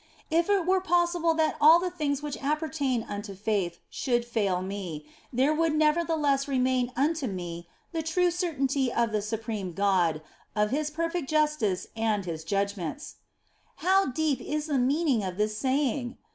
If it were possible that all the things which appertain unto faith should fail me, there would nevertheless remain unto me the true certainty of the supreme God, of His perfect justice and His judgments. 178 THE BLESSED ANGELA How deep is the meaning of this saying